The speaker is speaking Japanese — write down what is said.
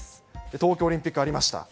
東京オリンピックありました。